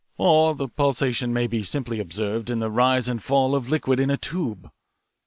Or the pulsation may be simply observed in the rise and fall of a liquid in a tube. Dr.